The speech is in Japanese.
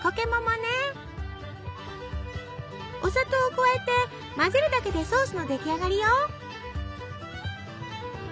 お砂糖を加えて混ぜるだけでソースの出来上がりよ。